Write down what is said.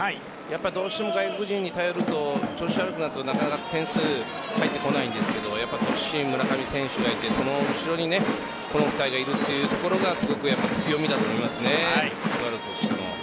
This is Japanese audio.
どうしても外国人に頼ると調子悪くなるとなかなか点数入ってこないんですけど村上選手がいて、その後ろにこの２人がいるというのが強みだと思いますねスワローズとしては。